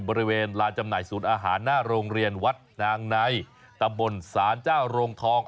บริเวณลานจำหน่ายศูนย์อาหารหน้าโรงเรียนวัดนางในตำบลศาลเจ้าโรงทอง